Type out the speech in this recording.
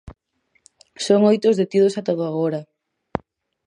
Son oito os detidos ata o de agora.